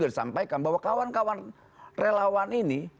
sudah disampaikan bahwa kawan kawan relawan ini